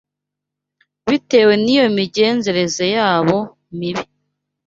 bitewe n’iyo migenzereze yabo mibi